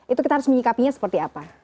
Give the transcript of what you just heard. itu kita harus menyikapinya seperti apa